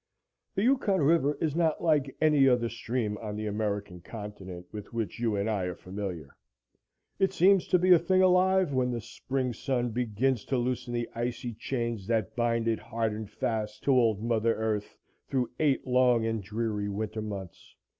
The Yukon River is not like any other stream on the American continent with which you and I are familiar. It seems to be a thing alive when the spring sun begins to loosen the icy chains that bind it hard and fast to old Mother Earth through eight long and dreary winter months.